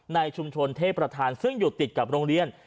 ในชุมชนเทพประธานซึ่งอยู่ติดกับโรงเรียน